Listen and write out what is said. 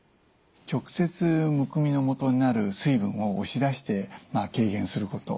直接むくみのもとになる水分を押し出して軽減すること。